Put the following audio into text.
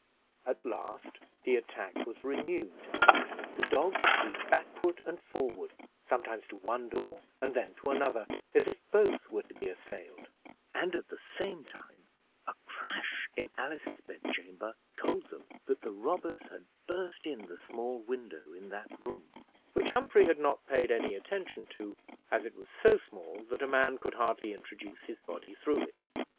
At last the attack was renewed; the dogs flew backward and forward, sometimes to one door and then to another, as if both were to be assailed; and at the same time a crash in Alice's bedchamber told them that the robbers had burst in the small window in that room, which Humphrey had not paid any attention to, as it was so small that a man could hardly introduce his body through it.